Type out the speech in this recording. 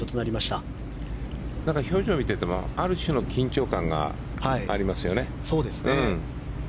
ただ表情を見ていてもある種の緊張感がありますよね。